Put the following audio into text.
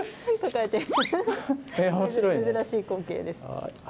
大変珍しい光景です。